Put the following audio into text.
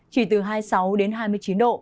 chỉ từ hai mươi sáu hai mươi chín độ